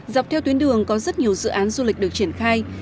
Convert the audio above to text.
dọc theo tuyến đường có rất nhiều dự án du lịch được triển khai